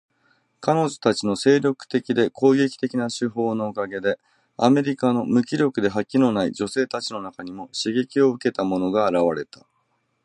彼女たちの精力的で攻撃的な手法のおかげで、アメリカの無気力で覇気のない女性たちの中にも刺激を受けた者が現れた。